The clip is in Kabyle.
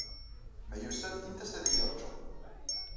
Ma yusa-d, int-as ad y-irju.